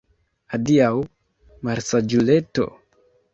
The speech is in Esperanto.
Adiaŭ, malsaĝuleto!